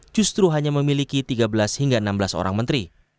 justru hanya memiliki tiga belas hingga enam belas orang menteri